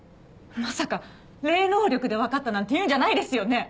まさか霊能力で分かったなんて言うんじゃないですよね？